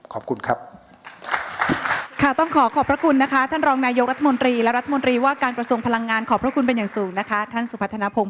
ขอบคุณครับ